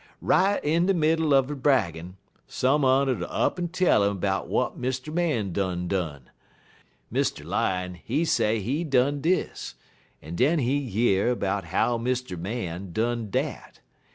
Right in de middle er he braggin', some un 'ud up'n tell 'im 'bout w'at Mr. Man done done. Mr. Lion, he say he done dis, en den he year 'bout how Mr. Man done dat.